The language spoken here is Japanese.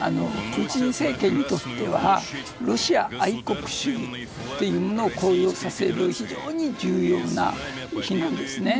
プーチン政権にとってはロシア愛国主義というのを高揚させる、非常に重要な日なんですね。